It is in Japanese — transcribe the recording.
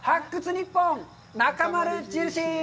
ニッポンなかまる印。